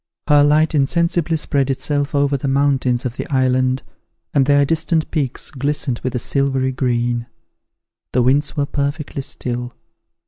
Her light insensibly spread itself over the mountains of the island, and their distant peaks glistened with a silvery green. The winds were perfectly still.